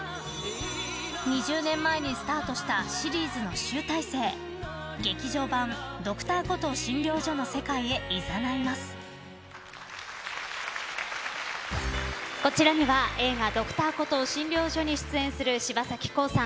２０年前にスタートしたシリーズの集大成劇場版「Ｄｒ．コトー診療所」のこちらには映画「Ｄｒ．コトー診療所」に出演する柴咲コウさん